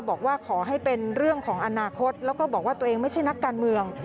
บอกว่าขอให้เป็นเรื่องของอนาคตแล้วก็บอกว่าตัวเองไม่ใช่นักการเมือง